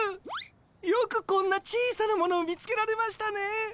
よくこんな小さなものを見つけられましたね！